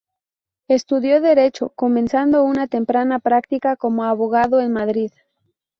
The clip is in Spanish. Estudió Derecho, comenzando una temprana práctica como abogado en Madrid.